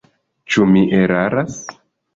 Ĉu mi eraras?